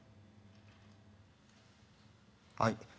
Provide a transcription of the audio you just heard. はい？